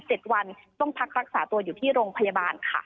๗วันต้องพักรักษาตัวอยู่ที่โรงพยาบาลค่ะ